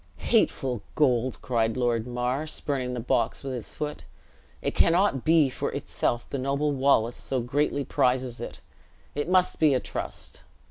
"Hateful gold!" cried Lord Mar, spurning the box with his foot; "it cannot be for itself the noble Wallace so greatly prizes it; it must be a trust."